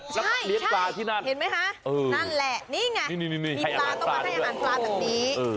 ใช่ใช่เห็นไหมฮะนั่นแหละนี่ไงมีปลาต้องมาให้อาหารปลาแบบนี้